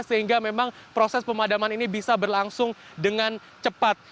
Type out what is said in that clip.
sehingga memang proses pemadaman ini bisa berlangsung dengan cepat